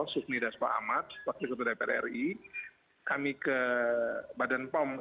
sukni dasko ahmad waktunya di prri kami ke badan pom